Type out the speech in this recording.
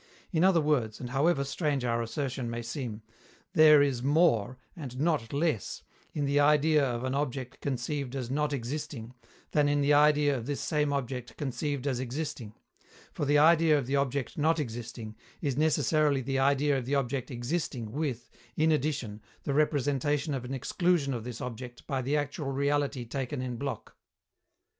In other words, and however strange our assertion may seem, there is more, and not less, _in the idea of an object conceived as "not existing" than in the idea of this same object conceived as "existing"; for the idea of the object "not existing" is necessarily the idea of the object "existing" with, in addition, the representation of an exclusion of this object by the actual reality taken in block_.